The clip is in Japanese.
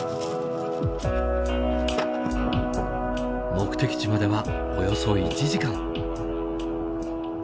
目的地まではおよそ１時間。